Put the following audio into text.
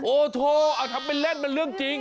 โอโทเอาทำเป็นเล่นเป็นเรื่องเจ็บ